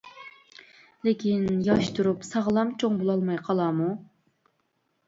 لېكىن ياش تۇرۇپ ساغلام چوڭ بولالماي قالارمۇ؟ !